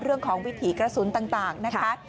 เรื่องของวิถีกระสุนต่างนะคะ